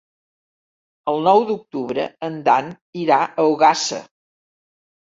El nou d'octubre en Dan irà a Ogassa.